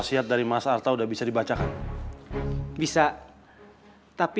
gawat kalau ketahuan sama dokter